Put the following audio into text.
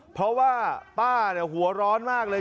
เพราะว่าป้าหัวร้อนมากเลย